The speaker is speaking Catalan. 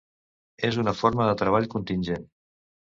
És una forma de treball contingent.